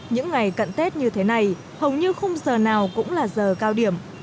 những ngày cận tết như thế này hầu như khung giờ nào cũng là giờ cao điểm